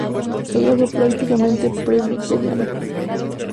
Ella fue un practicante presbiteriana.